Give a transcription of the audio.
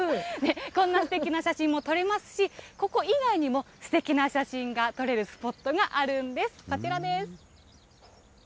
こんな素敵な写真も撮れますし、ここ以外にも、すてきな写真が撮れるスポットがあるんです。